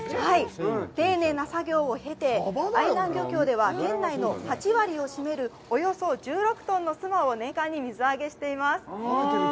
丁寧な作業をへて、愛南漁協では県内の８割を占めるおよそ１６トンのスマを年間に水揚げしています。